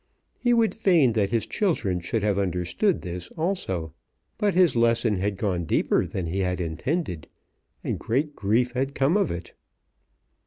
He would fain that his children should have understood this also. But his lesson had gone deeper than he had intended, and great grief had come of it.